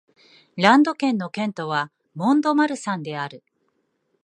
ランド県の県都はモン＝ド＝マルサンである